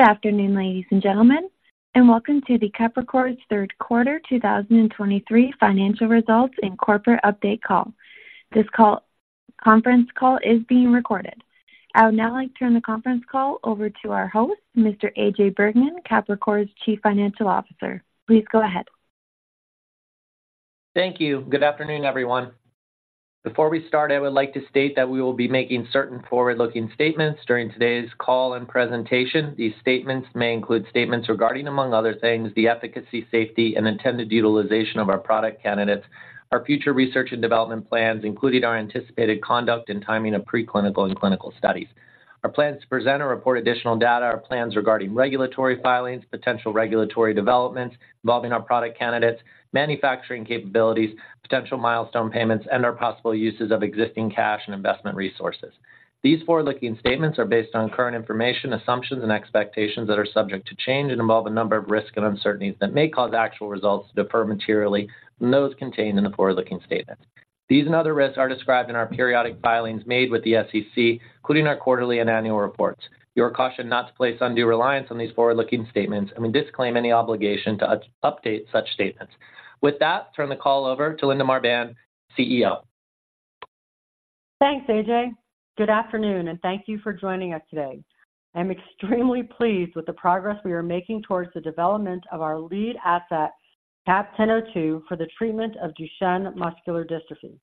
Good afternoon, ladies and gentlemen, and welcome to Capricor's third quarter 2023 financial results and corporate update call. This conference call is being recorded. I would now like to turn the conference call over to our host, Mr. AJ Bergmann, Capricor's Chief Financial Officer. Please go ahead. Thank you. Good afternoon, everyone. Before we start, I would like to state that we will be making certain forward-looking statements during today's call and presentation. These statements may include statements regarding, among other things, the efficacy, safety, and intended utilization of our product candidates, our future research and development plans, including our anticipated conduct and timing of preclinical and clinical studies. Our plans to present or report additional data, our plans regarding regulatory filings, potential regulatory developments involving our product candidates, manufacturing capabilities, potential milestone payments, and our possible uses of existing cash and investment resources. These forward-looking statements are based on current information, assumptions, and expectations that are subject to change and involve a number of risks and uncertainties that may cause actual results to differ materially from those contained in the forward-looking statements. These and other risks are described in our periodic filings made with the SEC, including our quarterly and annual reports. You are cautioned not to place undue reliance on these forward-looking statements, and we disclaim any obligation to update such statements. With that, I turn the call over to Linda Marbán, CEO. Thanks, AJ. Good afternoon, and thank you for joining us today. I'm extremely pleased with the progress we are making towards the development of our lead asset, CAP-1002, for the treatment of Duchenne muscular dystrophy.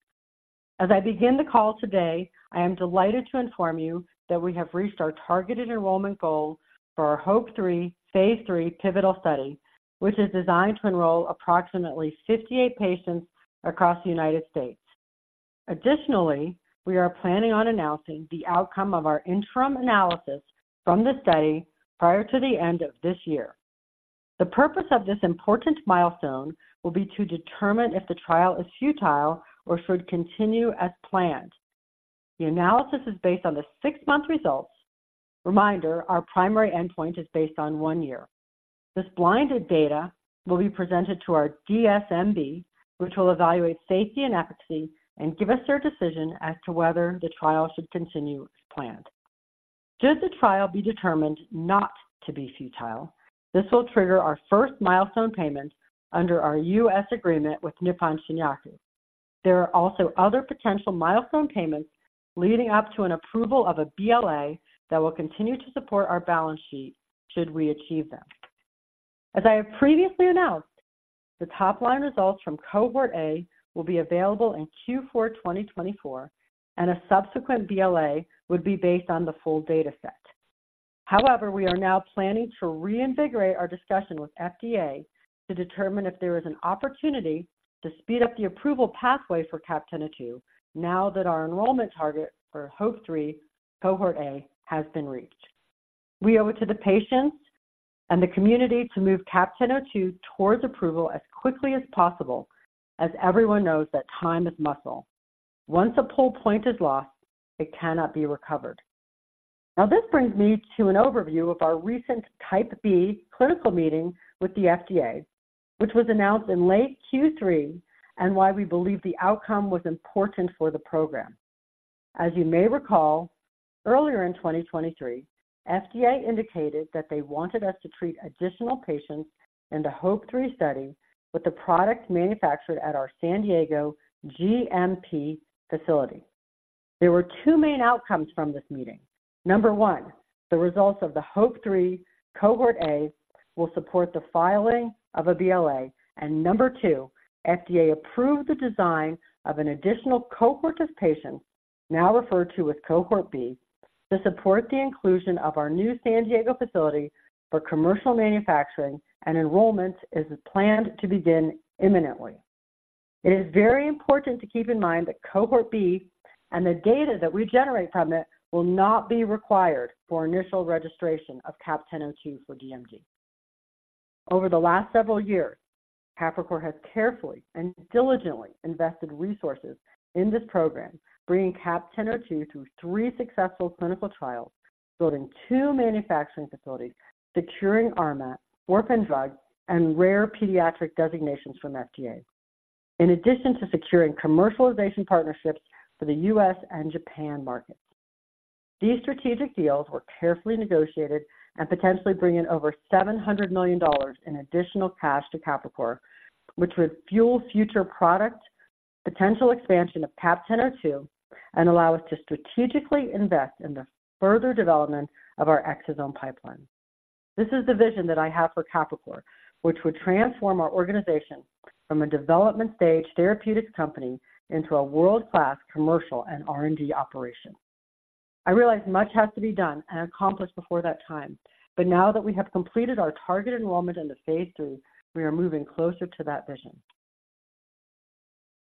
As I begin the call today, I am delighted to inform you that we have reached our targeted enrollment goal for our HOPE-3 Phase III pivotal study, which is designed to enroll approximately 58 patients across the United States. Additionally, we are planning on announcing the outcome of our interim analysis from the study prior to the end of this year. The purpose of this important milestone will be to determine if the trial is futile or should continue as planned. The analysis is based on the six-month results. Reminder, our primary endpoint is based on one year. This blinded data will be presented to our DSMB, which will evaluate safety and efficacy and give us their decision as to whether the trial should continue as planned. Should the trial be determined not to be futile, this will trigger our first milestone payment under our U.S. agreement with Nippon Shinyaku. There are also other potential milestone payments leading up to an approval of a BLA that will continue to support our balance sheet should we achieve them. As I have previously announced, the top-line results from Cohort A will be available in Q4 2024, and a subsequent BLA would be based on the full dataset. However, we are now planning to reinvigorate our discussion with FDA to determine if there is an opportunity to speed up the approval pathway for CAP-1002 now that our enrollment target for HOPE-3 Cohort A has been reached. We owe it to the patients and the community to move CAP-1002 towards approval as quickly as possible, as everyone knows that time is muscle. Once a PUL point is lost, it cannot be recovered. Now, this brings me to an overview of our recent Type B clinical meeting with the FDA, which was announced in late Q3, and why we believe the outcome was important for the program. As you may recall, earlier in 2023, FDA indicated that they wanted us to treat additional patients in the HOPE-3 study with the product manufactured at our San Diego GMP facility. There were two main outcomes from this meeting. Number one, the results of the HOPE-3 Cohort A will support the filing of a BLA. And number two, FDA approved the design of an additional cohort of patients, now referred to as Cohort B, to support the inclusion of our new San Diego facility for commercial manufacturing and enrollment is planned to begin imminently. It is very important to keep in mind that Cohort B and the data that we generate from it will not be required for initial registration of CAP-1002 for DMD. Over the last several years, Capricor has carefully and diligently invested resources in this program, bringing CAP-1002 through three successful clinical trials, building two manufacturing facilities, securing RMAT, Orphan Drug, and Rare Pediatric Disease designations from FDA, in addition to securing commercialization partnerships for the U.S. and Japan markets. These strategic deals were carefully negotiated and potentially bring in over $700 million in additional cash to Capricor, which would fuel future product, potential expansion of CAP-1002, and allow us to strategically invest in the further development of our exosome pipeline. This is the vision that I have for Capricor, which would transform our organization from a development-stage therapeutics company into a world-class commercial and R&D operation. I realize much has to be done and accomplished before that time, but now that we have completed our target enrollment in the Phase III, we are moving closer to that vision.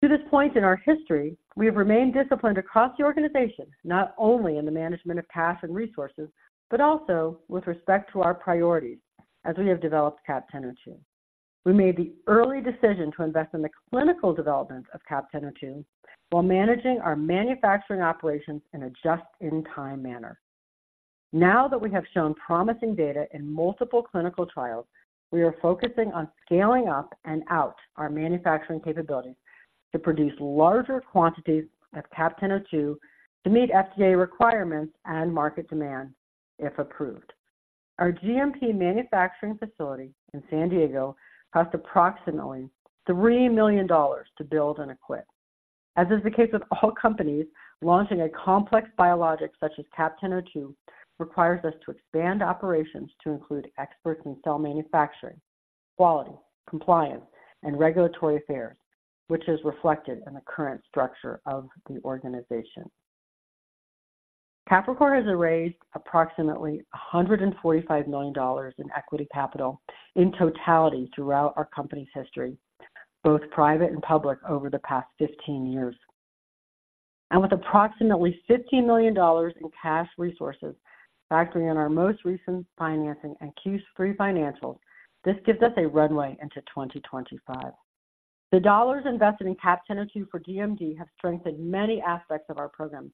To this point in our history, we have remained disciplined across the organization, not only in the management of cash and resources, but also with respect to our priorities as we have developed CAP-1002. We made the early decision to invest in the clinical development of CAP-1002 while managing our manufacturing operations in a just-in-time manner. Now that we have shown promising data in multiple clinical trials, we are focusing on scaling up and out our manufacturing capabilities to produce larger quantities of CAP-1002 to meet FDA requirements and market demand, if approved. Our GMP manufacturing facility in San Diego cost approximately $3 million to build and equip. As is the case with all companies, launching a complex biologic such as CAP-1002 requires us to expand operations to include experts in cell manufacturing, quality, compliance, and regulatory affairs, which is reflected in the current structure of the organization. Capricor has raised approximately $145 million in equity capital in totality throughout our company's history, both private and public, over the past 15 years. With approximately $15 million in cash resources, factoring in our most recent financing and Q3 financials, this gives us a runway into 2025. The dollars invested in CAP-1002 for DMD have strengthened many aspects of our program,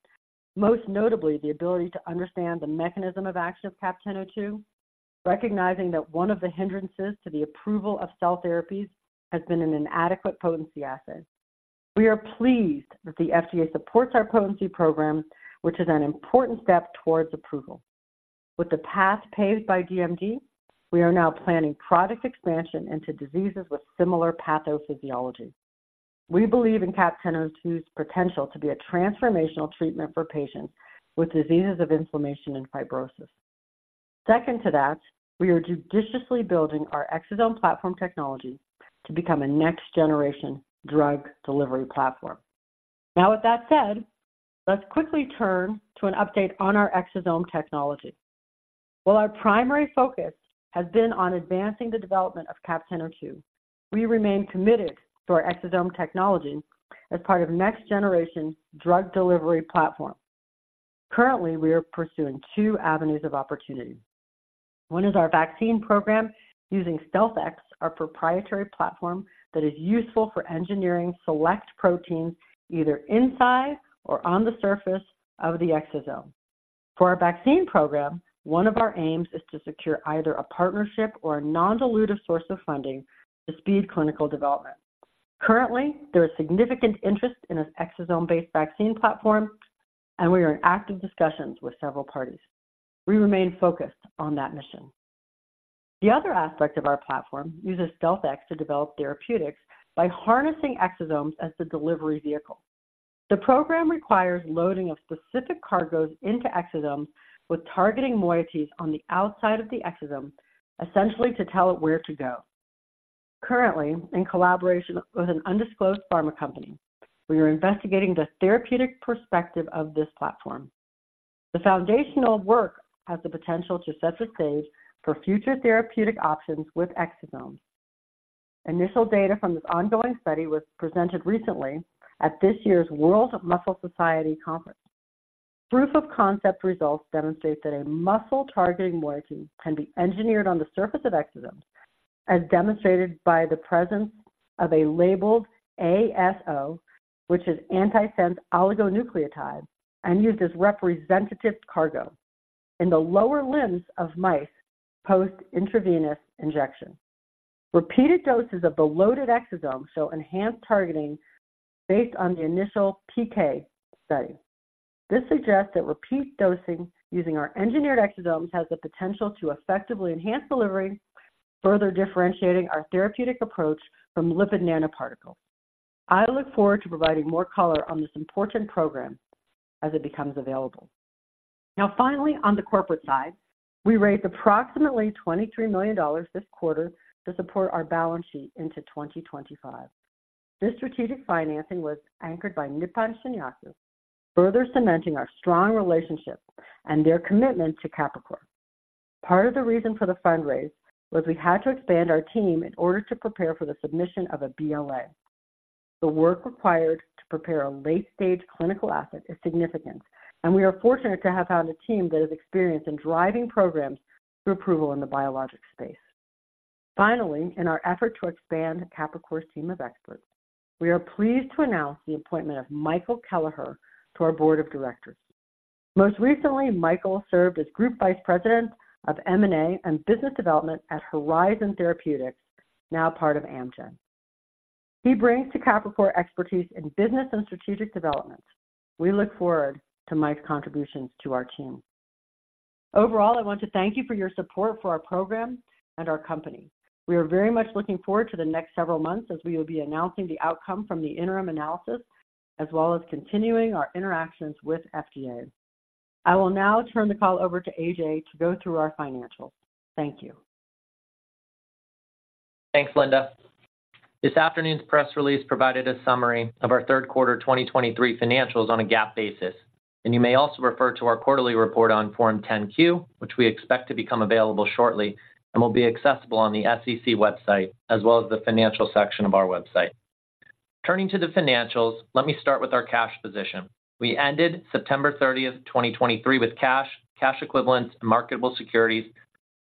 most notably the ability to understand the mechanism of action of CAP-1002, recognizing that one of the hindrances to the approval of cell therapies has been an inadequate potency assay. We are pleased that the FDA supports our potency program, which is an important step towards approval. With the path paved by DMD, we are now planning product expansion into diseases with similar pathophysiology. We believe in CAP-1002's potential to be a transformational treatment for patients with diseases of inflammation and fibrosis. Second to that, we are judiciously building our exosome platform technology to become a next-generation drug delivery platform. Now, with that said, let's quickly turn to an update on our exosome technology. While our primary focus has been on advancing the development of CAP-1002, we remain committed to our exosome technology as part of next-generation drug delivery platform. Currently, we are pursuing two avenues of opportunity. One is our vaccine program using StealthX, our proprietary platform that is useful for engineering select proteins either inside or on the surface of the exosome. For our vaccine program, one of our aims is to secure either a partnership or a non-dilutive source of funding to speed clinical development. Currently, there is significant interest in this exosome-based vaccine platform, and we are in active discussions with several parties. We remain focused on that mission. The other aspect of our platform uses StealthX to develop therapeutics by harnessing exosomes as the delivery vehicle. The program requires loading of specific cargos into exosomes with targeting moieties on the outside of the exosome, essentially to tell it where to go. Currently, in collaboration with an undisclosed pharma company, we are investigating the therapeutic perspective of this platform. The foundational work has the potential to set the stage for future therapeutic options with exosomes. Initial data from this ongoing study was presented recently at this year's World Muscle Society Conference. Proof-of-concept results demonstrate that a muscle-targeting moiety can be engineered on the surface of exosomes, as demonstrated by the presence of a labeled ASO, which is antisense oligonucleotide and used as representative cargo in the lower limbs of mice post-intravenous injection. Repeated doses of the loaded exosome show enhanced targeting based on the initial PK study. This suggests that repeat dosing using our engineered exosomes has the potential to effectively enhance delivery, further differentiating our therapeutic approach from lipid nanoparticles. I look forward to providing more color on this important program as it becomes available. Now, finally, on the corporate side, we raised approximately $23 million this quarter to support our balance sheet into 2025. This strategic financing was anchored by Nippon Shinyaku, further cementing our strong relationship and their commitment to Capricor. Part of the reason for the fundraise was we had to expand our team in order to prepare for the submission of a BLA. The work required to prepare a late-stage clinical asset is significant, and we are fortunate to have found a team that is experienced in driving programs through approval in the biologic space. Finally, in our effort to expand Capricor's team of experts, we are pleased to announce the appointment of Michael Kelliher to our board of directors. Most recently, Michael served as Group Vice President of M&A and Business Development at Horizon Therapeutics, now part of Amgen. He brings to Capricor expertise in business and strategic development. We look forward to Mike's contributions to our team. Overall, I want to thank you for your support for our program and our company. We are very much looking forward to the next several months as we will be announcing the outcome from the interim analysis, as well as continuing our interactions with FDA. I will now turn the call over to AJ to go through our financials. Thank you. Thanks, Linda. This afternoon's press release provided a summary of our third quarter 2023 financials on a GAAP basis, and you may also refer to our quarterly report on Form 10-Q, which we expect to become available shortly and will be accessible on the SEC website, as well as the financial section of our website. Turning to the financials, let me start with our cash position. We ended September 30, 2023, with cash, cash equivalents, and marketable securities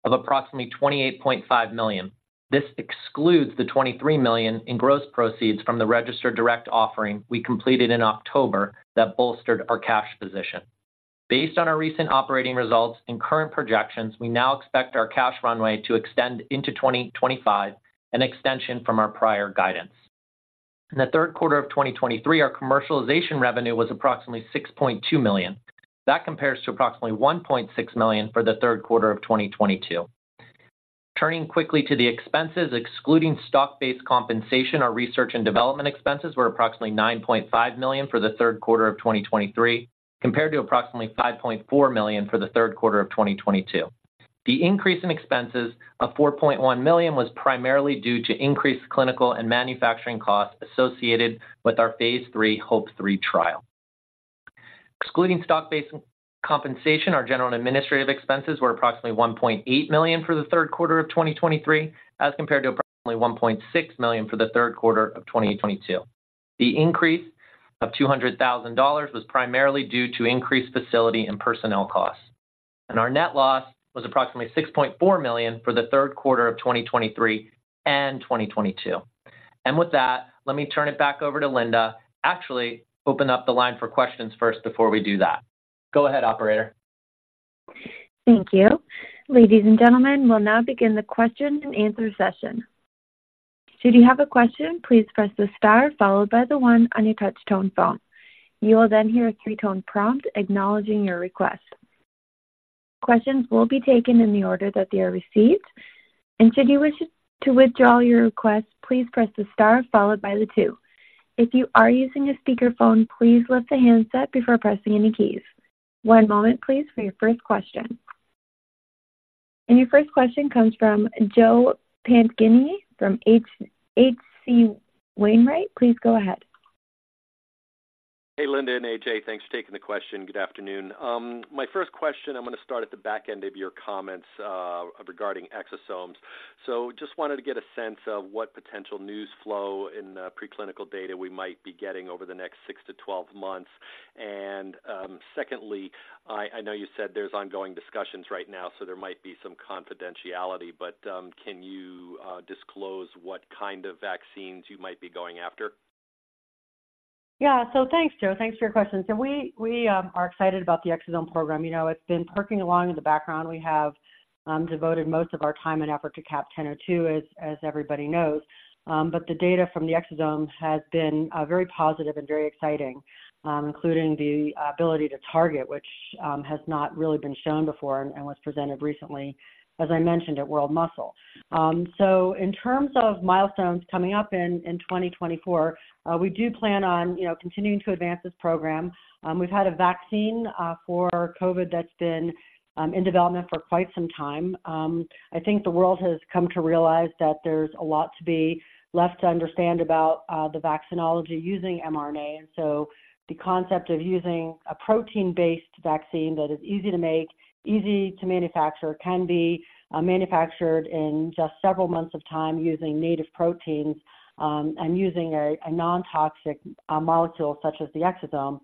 of approximately $28.5 million. This excludes the $23 million in gross proceeds from the registered direct offering we completed in October that bolstered our cash position. Based on our recent operating results and current projections, we now expect our cash runway to extend into 2025, an extension from our prior guidance.... In the third quarter of 2023, our commercialization revenue was approximately $6.2 million. That compares to approximately $1.6 million for the third quarter of 2022. Turning quickly to the expenses. Excluding stock-based compensation, our research and development expenses were approximately $9.5 million for the third quarter of 2023, compared to approximately $5.4 million for the third quarter of 2022. The increase in expenses of $4.1 million was primarily due to increased clinical and manufacturing costs associated with our Phase III HOPE-3 trial. Excluding stock-based compensation, our general and administrative expenses were approximately $1.8 million for the third quarter of 2023, as compared to approximately $1.6 million for the third quarter of 2022. The increase of $200,000 was primarily due to increased facility and personnel costs, and our net loss was approximately $6.4 million for the third quarter of 2023 and 2022. With that, let me turn it back over to Linda. Actually, open up the line for questions first before we do that. Go ahead, operator. Thank you. Ladies and gentlemen, we'll now begin the question and answer session. Should you have a question, please press the star followed by the one on your touchtone phone. You will then hear a three-tone prompt acknowledging your request. Questions will be taken in the order that they are received, and should you wish to withdraw your request, please press the star followed by the two. If you are using a speakerphone, please lift the handset before pressing any keys. One moment please, for your first question. Your first question comes from Joe Pantginis from H.C. Wainwright. Please go ahead. Hey, Linda and AJ, thanks for taking the question. Good afternoon. My first question, I'm gonna start at the back end of your comments, regarding exosomes. So just wanted to get a sense of what potential news flow in, preclinical data we might be getting over the next six-12 months. And, secondly, I, I know you said there's ongoing discussions right now, so there might be some confidentiality, but, can you, disclose what kind of vaccines you might be going after? Yeah. So thanks, Joe. Thanks for your questions. So we are excited about the exosome program. You know, it's been perking along in the background. We have devoted most of our time and effort to CAP-1002, as everybody knows. But the data from the exosome has been very positive and very exciting, including the ability to target, which has not really been shown before and was presented recently, as I mentioned, at World Muscle. So in terms of milestones coming up in 2024, we do plan on, you know, continuing to advance this program. We've had a vaccine for COVID that's been in development for quite some time. I think the world has come to realize that there's a lot to be left to understand about the vaccinology using mRNA. So the concept of using a protein-based vaccine that is easy to make, easy to manufacture, can be manufactured in just several months of time using native proteins, and using a non-toxic molecule such as the exosome,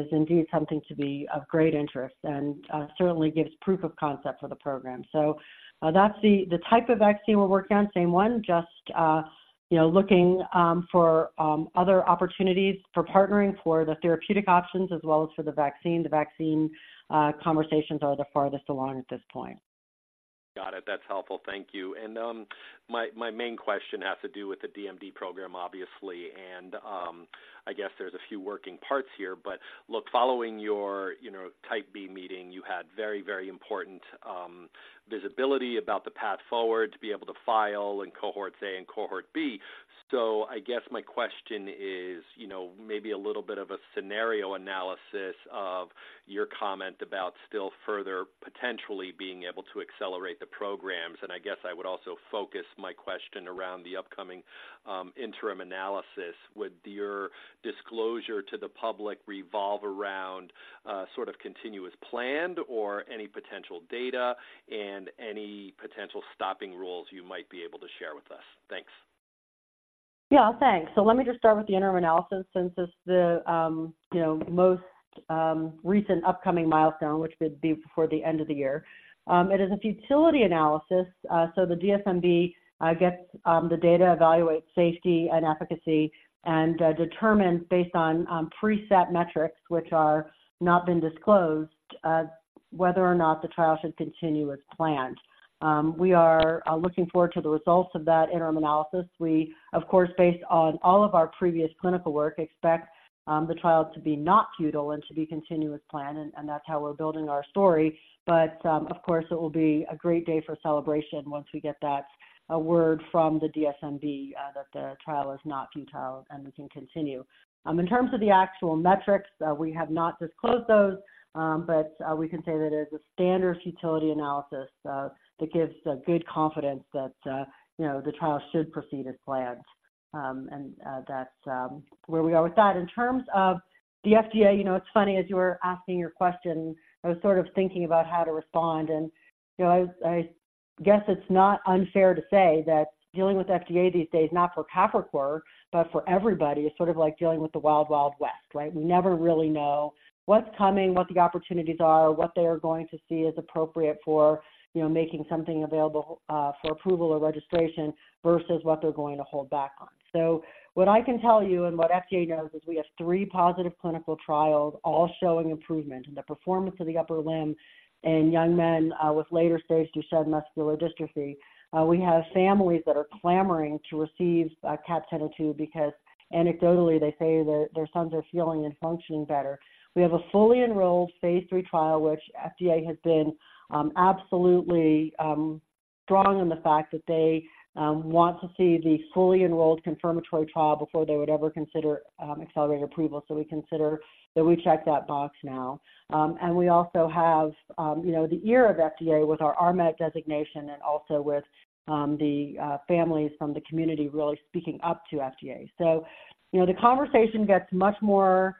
is indeed something to be of great interest and certainly gives proof of concept for the program. So that's the type of vaccine we're working on. Same one, just you know looking for other opportunities for partnering for the therapeutic options as well as for the vaccine. The vaccine conversations are the farthest along at this point. Got it. That's helpful. Thank you. And my main question has to do with the DMD program, obviously, and I guess there's a few working parts here. But look, following your, you know, Type B meeting, you had very, very important visibility about the path forward to be able to file in Cohort A and Cohort B. So I guess my question is, you know, maybe a little bit of a scenario analysis of your comment about still further potentially being able to accelerate the programs. And I guess I would also focus my question around the upcoming interim analysis. Would your disclosure to the public revolve around sort of continuous planned or any potential data and any potential stopping rules you might be able to share with us? Thanks. Yeah, thanks. So let me just start with the interim analysis, since it's the, you know, most recent upcoming milestone, which would be before the end of the year. It is a futility analysis, so the DSMB gets the data, evaluates safety and efficacy, and determines, based on preset metrics, which are not been disclosed, whether or not the trial should continue as planned. We are looking forward to the results of that interim analysis. We, of course, based on all of our previous clinical work, expect the trial to be not futile and to be continued as planned, and, and that's how we're building our story. But, of course, it will be a great day for celebration once we get that word from the DSMB that the trial is not futile and we can continue. In terms of the actual metrics, we have not disclosed those, but we can say that it is a standard futility analysis that gives a good confidence that, you know, the trial should proceed as planned. And that's where we are with that. In terms of the FDA, you know, it's funny, as you were asking your question, I was sort of thinking about how to respond, and, you know, I, I guess it's not unfair to say that dealing with FDA these days, not for Capricor, but for everybody, is sort of like dealing with the wild, wild West, right? We never really know what's coming, what the opportunities are, or what they are going to see as appropriate for, you know, making something available, for approval or registration versus what they're going to hold back on. So what I can tell you, and what FDA knows, is we have three positive clinical trials, all showing improvement in the performance of the upper limb in young men with later-stage Duchenne muscular dystrophy. We have families that are clamoring to receive CAP-1002 because anecdotally, they say that their sons are feeling and functioning better. We have a fully enrolled Phase III trial, which FDA has been absolutely strong in the fact that they want to see the fully enrolled confirmatory trial before they would ever consider accelerated approval. So we consider that we checked that box now. And we also have, you know, the ear of FDA with our RMAT designation and also with the families from the community really speaking up to FDA. So, you know, the conversation gets much more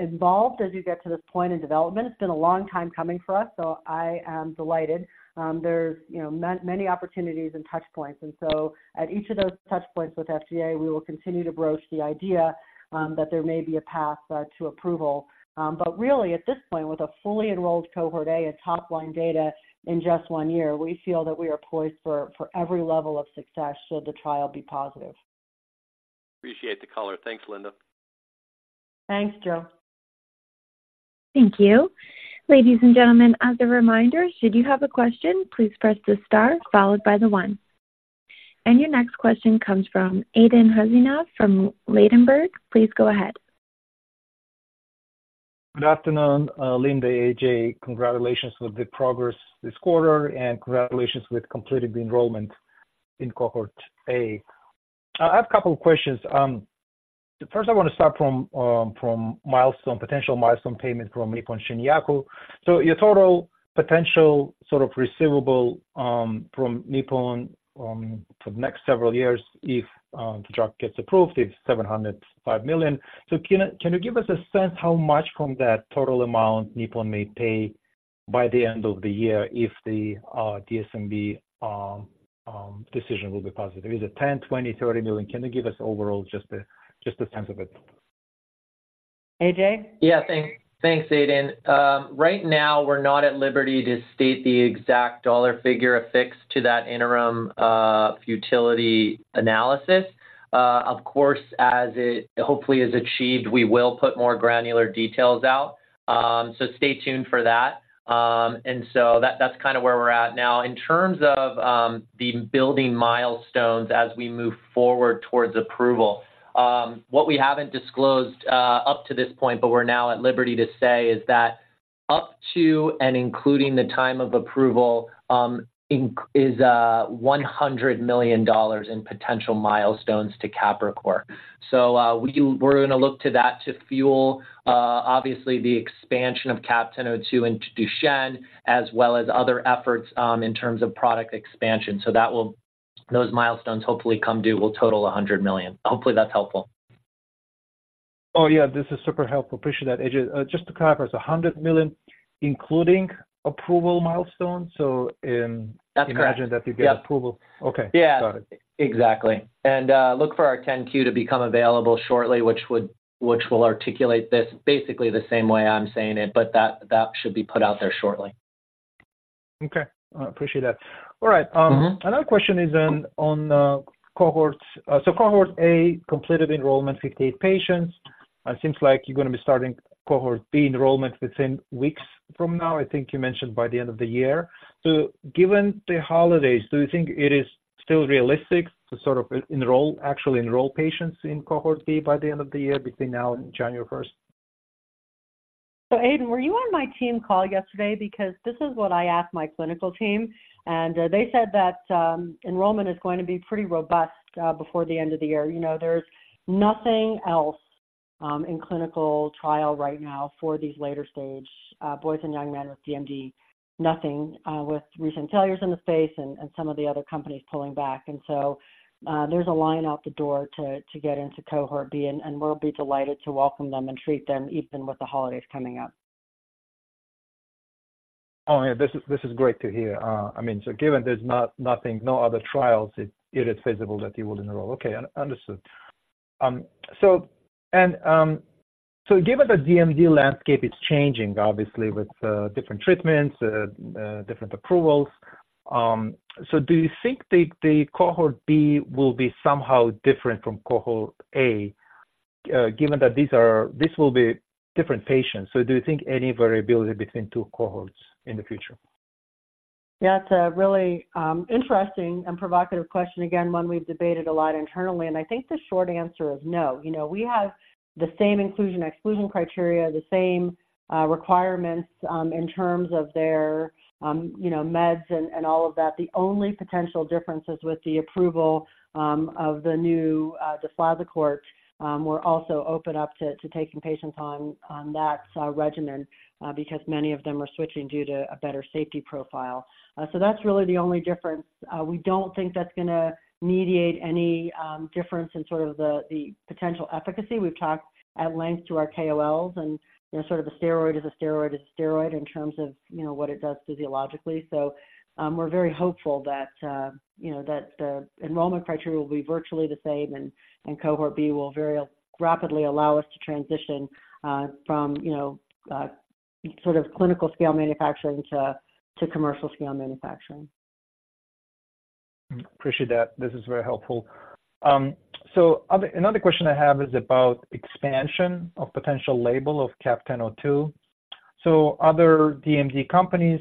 involved as you get to this point in development. It's been a long time coming for us, so I am delighted. There's, you know, many opportunities and touch points, and so at each of those touch points with FDA, we will continue to broach the idea that there may be a path to approval. But really, at this point, with a fully enrolled Cohort A and top-line data in just one year, we feel that we are poised for, for every level of success, should the trial be positive. Appreciate the color. Thanks, Linda. Thanks, Joe. Thank you. Ladies and gentlemen, as a reminder, should you have a question, please press the star followed by the one. Your next question comes from Ahu Demir from Ladenburg Thalmann. Please go ahead. Good afternoon, Linda, AJ. Congratulations with the progress this quarter, and congratulations with completing the enrollment in Cohort A. I have a couple of questions. First, I want to start from milestone, potential milestone payment from Nippon Shinyaku. So your total potential sort of receivable from Nippon for the next several years, if the drug gets approved, is $705 million. So can you give us a sense how much from that total amount Nippon may pay by the end of the year if the DSMB decision will be positive? Is it $10, $20, $30 million? Can you give us overall just a sense of it? AJ? Yeah. Thanks. Thanks, Ahu. Right now, we're not at liberty to state the exact dollar figure affixed to that interim futility analysis. Of course, as it hopefully is achieved, we will put more granular details out. So stay tuned for that. And so that's kind of where we're at now. In terms of the building milestones as we move forward towards approval, what we haven't disclosed up to this point, but we're now at liberty to say, is that up to and including the time of approval, is $100 million in potential milestones to Capricor. So we're going to look to that to fuel obviously the expansion of CAP-1002 into Duchenne, as well as other efforts in terms of product expansion. So that will... those milestones hopefully come due, will total $100 million. Hopefully, that's helpful. Oh, yeah, this is super helpful. Appreciate that, AJ. Just to clarify, so $100 million, including approval milestone? So in- That's correct. Imagine that you get approval. Yep. Okay. Yeah. Got it. Exactly. And, look for our 10-Q to become available shortly, which will articulate this basically the same way I'm saying it, but that, that should be put out there shortly. Okay. I appreciate that. All right. Mm-hmm. Another question is then on cohorts. So Cohort A completed enrollment, 58 patients. Seems like you're going to be starting Cohort B enrollment within weeks from now. I think you mentioned by the end of the year. So given the holidays, do you think it is still realistic to sort of enroll, actually enroll patients in Cohort B by the end of the year, between now and January first? So Ahu, were you on my team call yesterday? Because this is what I asked my clinical team, and they said that enrollment is going to be pretty robust before the end of the year. You know, there's nothing else in clinical trial right now for these later stage boys and young men with DMD. Nothing with recent failures in the space and some of the other companies pulling back. And so, there's a line out the door to get into Cohort B, and we'll be delighted to welcome them and treat them, even with the holidays coming up. Oh, yeah. This is, this is great to hear. I mean, so given there's not nothing, no other trials, it is feasible that you will enroll. Okay, understood. So and, so given the DMD landscape is changing, obviously, with different treatments, different approvals, so do you think the Cohort B will be somehow different from Cohort A, given that these are—this will be different patients? So do you think any variability between two cohorts in the future? That's a really, interesting and provocative question. Again, one we've debated a lot internally, and I think the short answer is no. You know, we have the same inclusion/exclusion criteria, the same, requirements, in terms of their, you know, meds and, and all of that. The only potential difference is with the approval, of the new, deflazacort. We're also open up to, to taking patients on, on that, regimen, because many of them are switching due to a better safety profile. So that's really the only difference. We don't think that's gonna mediate any, difference in sort of the, the potential efficacy. We've talked at length to our KOLs, and, you know, sort of a steroid is a steroid is a steroid in terms of, you know, what it does physiologically. So, we're very hopeful that, you know, that the enrollment criteria will be virtually the same, and Cohort B will very rapidly allow us to transition from, you know, sort of clinical scale manufacturing to commercial scale manufacturing. Appreciate that. This is very helpful. So another question I have is about expansion of potential label of CAP-1002. So other DMD companies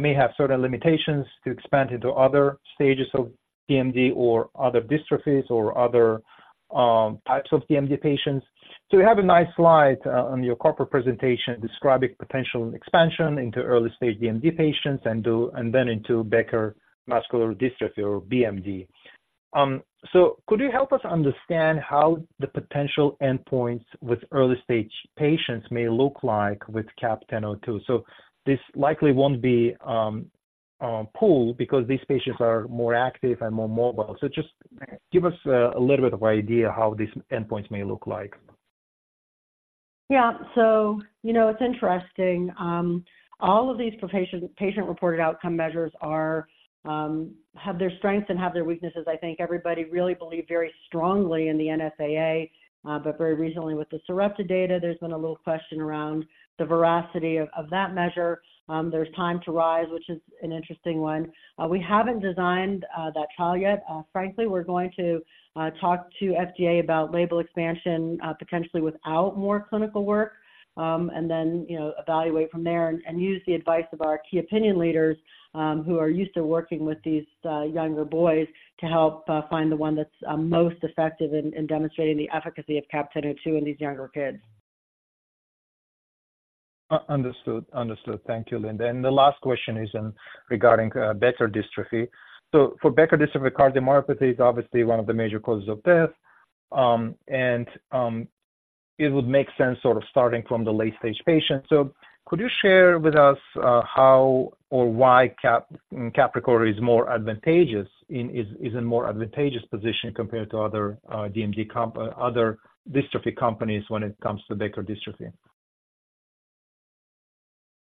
may have certain limitations to expand into other stages of DMD or other dystrophies or other types of DMD patients. So you have a nice slide on your corporate presentation describing potential expansion into early stage DMD patients and then into Becker muscular dystrophy or BMD. So could you help us understand how the potential endpoints with early stage patients may look like with CAP-1002? So this likely won't be pooled because these patients are more active and more mobile. So just give us a little bit of idea how these endpoints may look like. Yeah. So you know, it's interesting. All of these patient-reported outcome measures have their strengths and have their weaknesses. I think everybody really believed very strongly in the NSAA, but very recently with the Sarepta data, there's been a little question around the veracity of that measure. There's Time to Rise, which is an interesting one. We haven't designed that trial yet. Frankly, we're going to talk to FDA about label expansion, potentially without more clinical work, and then, you know, evaluate from there and use the advice of our key opinion leaders, who are used to working with these younger boys to help find the one that's most effective in demonstrating the efficacy of CAP-1002 in these younger kids. Understood. Understood. Thank you, Linda. And the last question is in regarding Becker dystrophy. So for Becker dystrophy, cardiomyopathy is obviously one of the major causes of death. And it would make sense sort of starting from the late stage patient. So could you share with us how or why Cap, Capricor is more advantageous in- is, is a more advantageous position compared to other, DMD other dystrophy companies when it comes to Becker dystrophy?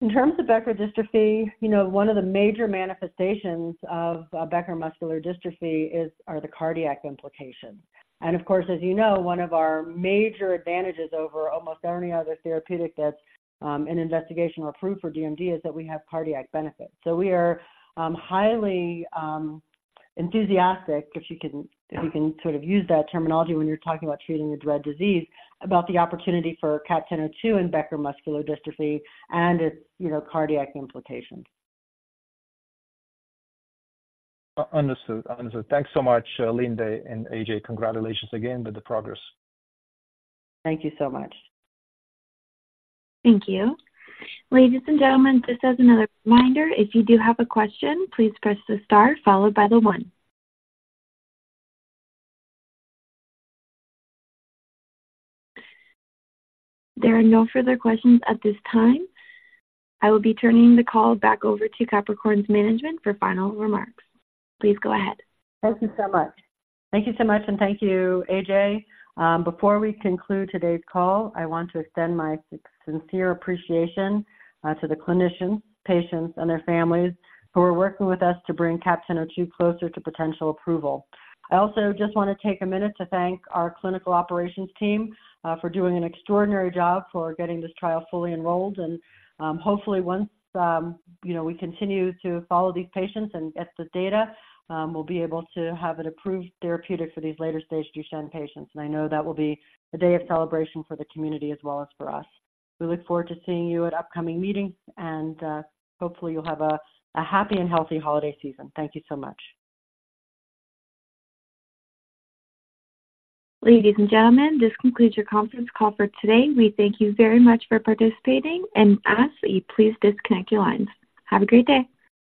In terms of Becker dystrophy, you know, one of the major manifestations of Becker muscular dystrophy is, are the cardiac implications. And of course, as you know, one of our major advantages over almost any other therapeutic that's an investigational approved for DMD, is that we have cardiac benefits. So we are highly enthusiastic, if you can sort of use that terminology when you're talking about treating a dread disease, about the opportunity for CAP-1002 in Becker muscular dystrophy and its, you know, cardiac implications. Understood. Understood. Thanks so much, Linda and AJ. Congratulations again with the progress. Thank you so much. Thank you. Ladies and gentlemen, just as another reminder, if you do have a question, please press the star followed by the one. There are no further questions at this time. I will be turning the call back over to Capricor's management for final remarks. Please go ahead. Thank you so much. Thank you so much, and thank you, AJ. Before we conclude today's call, I want to extend my sincere appreciation to the clinicians, patients, and their families who are working with us to bring CAP-1002 closer to potential approval. I also just want to take a minute to thank our clinical operations team for doing an extraordinary job for getting this trial fully enrolled. Hopefully, once you know, we continue to follow these patients and get the data, we'll be able to have an approved therapeutic for these later-stage Duchenne patients. I know that will be a day of celebration for the community as well as for us. We look forward to seeing you at upcoming meetings, and hopefully, you'll have a happy and healthy holiday season. Thank you so much. Ladies and gentlemen, this concludes your conference call for today. We thank you very much for participating and ask that you please disconnect your lines. Have a great day.